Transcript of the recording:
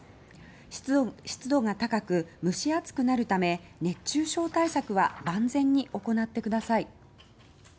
室温、湿度が高く蒸し暑くなるため、熱中症対策は万全に行ってください。